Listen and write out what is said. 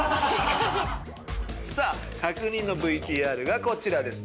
確認のＶＴＲがこちらです。